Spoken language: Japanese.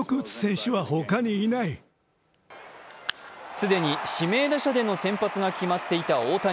既に指名打者での先発が決まっていた大谷。